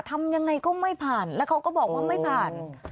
ทำยังไงก็ไม่ผ่านแล้วเขาก็บอกว่าไม่ผ่าน